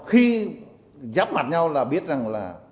khi giáp mặt nhau là biết rằng là